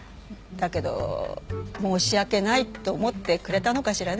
だけど申し訳ないって思ってくれたのかしらね